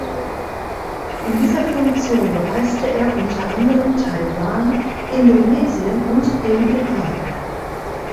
In dieser Funktion bereiste er unter anderem Taiwan, Indonesien und den Irak.